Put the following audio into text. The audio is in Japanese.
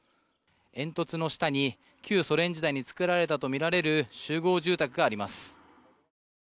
煙突の下に旧ソ連時代に作られたとみられる集合住宅があります。